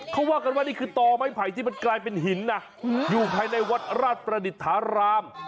เขาว่ากันว่านี่คือต่อไม้ไผ่ที่มันกลายเป็นหินนะอยู่ภายในวัดราชประดิษฐาราม